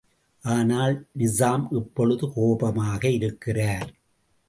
ஆனால், நிசாம் இப்பொழுது கோபமாக இருக்கிறார்.